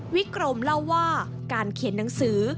วิกรมเล่าว่าการเขียนหนังสือ